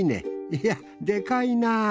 いやでかいなぁ。